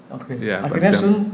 oke akhirnya sun